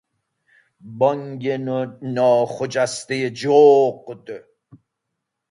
بانگ ناخجسته جغد